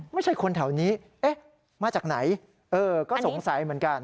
ไม่ใช่คนแถวนี้เอ๊ะมาจากไหนเออก็สงสัยเหมือนกัน